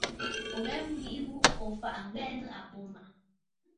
Ò ghɛ nyweʼe ghu, ò faʼà ŋ̀ghɛɛ nɨ̂ àbô màʼà.